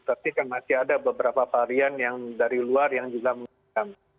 tapi kan masih ada beberapa varian yang dari luar yang juga mengancam